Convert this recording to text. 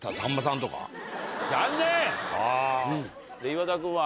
岩田君は？